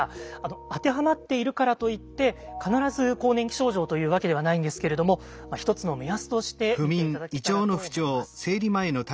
当てはまっているからといって必ず更年期症状というわけではないんですけれども一つの目安として見て頂けたらと思います。